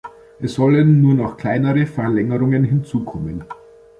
Es sollen nur noch kleinere Verlängerungen hinzukommen.